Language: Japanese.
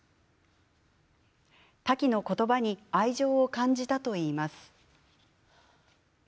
タキの言葉に愛情を感じたといいます。